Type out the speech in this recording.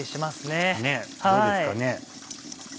ねぇどうですかね。